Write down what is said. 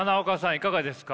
いかがですか？